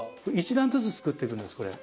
１段ずつ作ってくんですこれ。